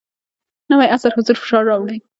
نوی عصر حضور فشار راوړی.